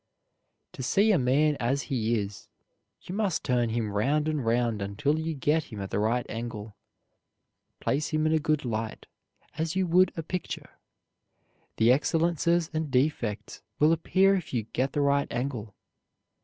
To see a man as he is you must turn him round and round until you get him at the right angle. Place him in a good light, as you would a picture. The excellences and defects will appear if you get the right angle.